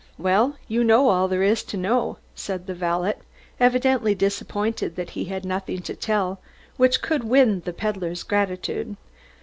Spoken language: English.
"You know all there is to know," said the valet, evidently disappointed that he had nothing to tell which could win the peddler's gratitude.